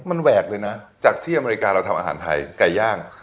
มันแหวกเลยนะจากที่อเมริกาเราทำอาหารไทยไก่ย่าง